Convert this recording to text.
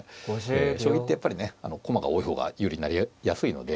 将棋ってやっぱりね駒が多い方が有利になりやすいので。